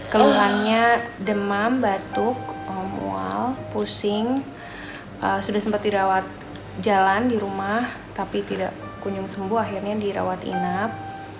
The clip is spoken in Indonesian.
keluhannya demam batuk mual pusing sudah sempat dirawat jalan di rumah tapi tidak kunjung sembuh akhirnya dirawat inap